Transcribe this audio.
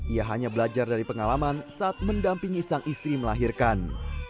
ia hanya belajar dari pengalaman saat mendampingi sang istri melahirkan